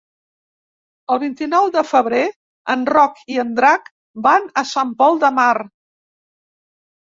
El vint-i-nou de febrer en Roc i en Drac van a Sant Pol de Mar.